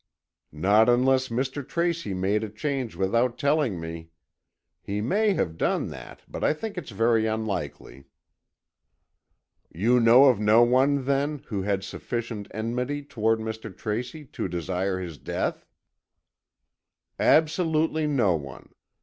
"Not unless Mr. Tracy made a change without telling me. He may have done that, but I think it very unlikely." "You know of no one then, who had sufficient enmity toward Mr. Tracy to desire his death?" "Absolutely no one.